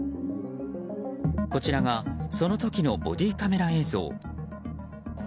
こちらがその時のボディーカメラ映像。